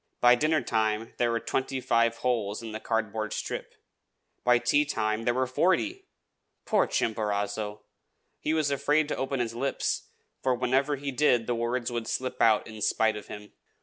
By dinnertime there were twenty five holes in the cardboard strip; by tea time there were forty! Poor Chimborazo! he was afraid to open his lips, for whenever he did the words would slip out in spite of him.